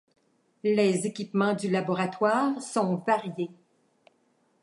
Les équipements du laboratoires sont variés.